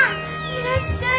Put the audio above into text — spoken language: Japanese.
いらっしゃい歩！